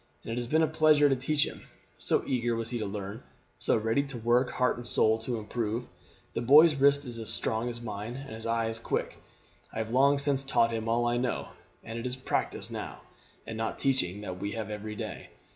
It has been a pleasure to teach him, so eager was he to learn so ready to work heart and soul to improve. The boy's wrist is as strong as mine and his eye as quick. I have long since taught him all I know, and it is practice now, and not teaching, that we have every day.